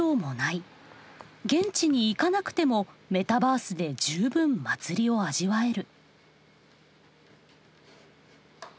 現地に行かなくてもメタバースで十分祭りを味わえる。